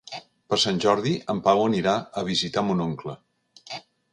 Per Sant Jordi en Pau anirà a visitar mon oncle.